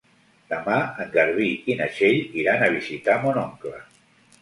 Demà en Garbí i na Txell iran a visitar mon oncle.